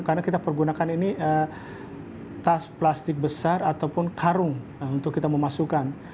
karena kita pergunakan ini tas plastik besar ataupun karung untuk kita memasukkan